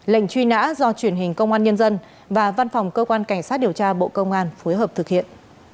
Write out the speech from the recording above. lệnh truy nã do truyền hình công an nhân dân và văn phòng cơ quan cảnh sát điều tra bộ công an phối hợp thực hiện